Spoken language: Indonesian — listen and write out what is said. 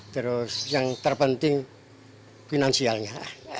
terus yang terpenting finansialnya